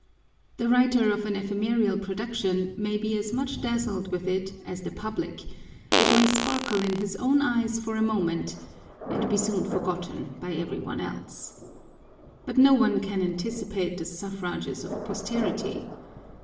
The writer of an ephemeral production may be as much dazzled with it as the public : it may sparkle in his own eyes for a moment, and be soon forgotten by every one else. But no one can anticipate the suffrages of posterity.